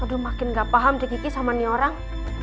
aduh makin gak paham sih kiki sama nih orang